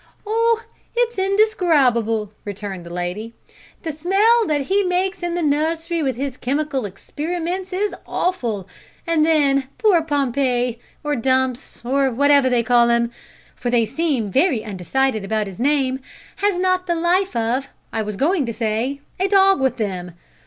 "Oh, it's indescribable," returned the lady; "the smell that he makes in the nursery with his chemical experiments is awful; and then poor Pompey, or Dumps, or whatever they call him for they seem very undecided about his name has not the life of I was going to say a dog with them.